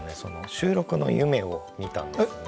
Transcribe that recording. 収録の夢を見たんですね。